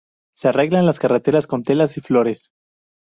Se arreglan las carretas con telas y flores.